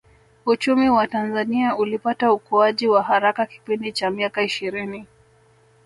Uchumi wa Tanzania ulipata ukuaji wa haraka kipindi cha miaka ishirini